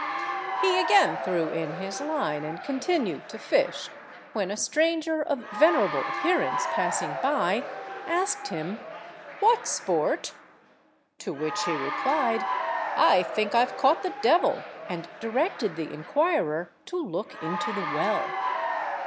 He again threw in his line, and continued to fish, when a stranger of venerable appearance, passing by, asked him— "What sport?" To which he replied— "I think I've caught the devil;" and directed the inquirer to look into the well.